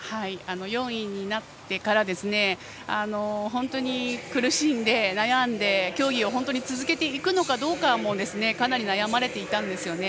４位になってから本当に苦しんで悩んで、競技を本当に続けていくかどうかもかなり悩まれていたんですよね。